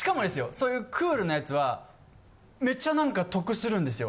そういうクールな奴はめちゃなんか得するんですよ。